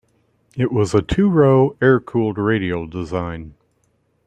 It was a two-row, air-cooled radial design.